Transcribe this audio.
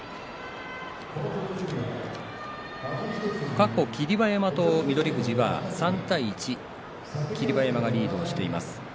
過去、霧馬山と翠富士は３対１霧馬山がリードしています。